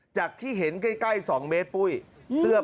จากที่เห็นใกล้๒เมตร